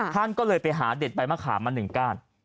ท่านก็เลยไปหาเด็ดใบมะขามมา๑ก้าน